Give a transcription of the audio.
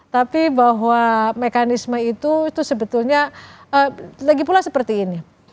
tapi bahwa mekanisme itu itu sebetulnya lagi pula seperti ini